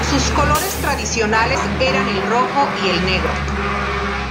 Sus colores tradicionales eran el rojo y el negro.